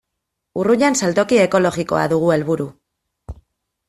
Urruñan saltoki ekologikoa dugu helburu.